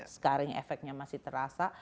sekarang efeknya masih terasa